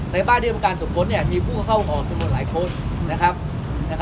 ในบ้านที่ทำการสดค้นมีผู้เข้าของบางคน